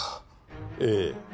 ええ。